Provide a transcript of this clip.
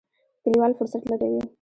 کلیوال فرصت لټوي.